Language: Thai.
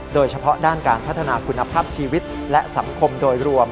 โดยเฉพาะด้านการพัฒนาคุณภาพชีวิตและสังคมโดยรวม